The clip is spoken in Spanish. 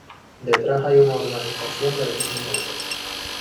Detrás hay una urbanización del mismo nombre.